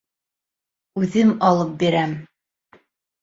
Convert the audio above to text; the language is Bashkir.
Үҙем алып бирәм!